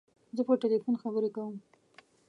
زه په تلیفون خبری کوم.